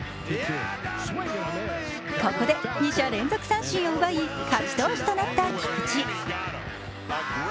ここで２者連続三振を奪い勝ち投手となった菊池。